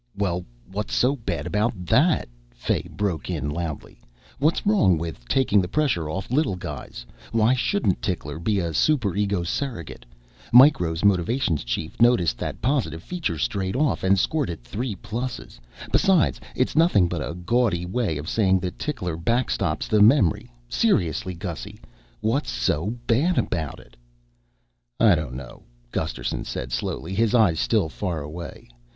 "Well, what's so bad about that?" Fay broke in loudly. "What's wrong with taking the pressure off little guys? Why shouldn't Tickler be a super ego surrogate? Micro's Motivations chief noticed that positive feature straight off and scored it three pluses. Besides, it's nothing but a gaudy way of saying that Tickler backstops the memory. Seriously, Gussy, what's so bad about it?" "I don't know," Gusterson said slowly, his eyes still far away.